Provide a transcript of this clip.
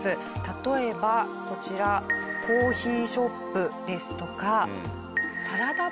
例えばこちらコーヒーショップですとかサラダバー。